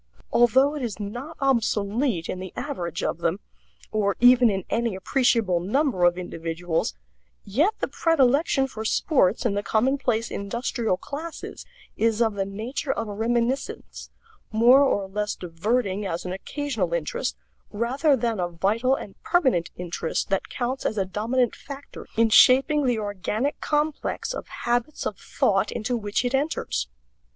Although it is not obsolete in the average of them, or even in any appreciable number of individuals, yet the predilection for sports in the commonplace industrial classes is of the nature of a reminiscence, more or less diverting as an occasional interest, rather than a vital and permanent interest that counts as a dominant factor in shaping the organic complex of habits of thought into which it enters.